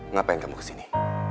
ngapain kamu kesini